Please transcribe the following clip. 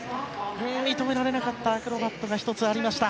認められなかったアクロバットが１つありました。